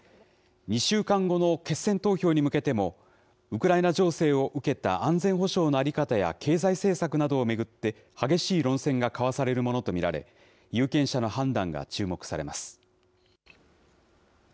２週間後の決選投票に向けても、ウクライナ情勢を受けた安全保障の在り方や経済政策などを巡って、激しい論戦が交わされるものと見られ、有権者の判断が注目されます。